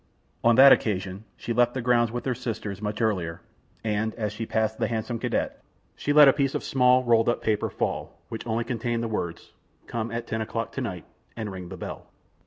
On that occasion she left the grounds with her sisters, much earlier, and as she passed the handsome cadet, she let a small piece of rolled up paper fall, which only contained the words: "Come at ten o'clock to night, and ring the bell."